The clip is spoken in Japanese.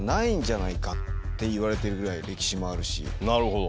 なるほど。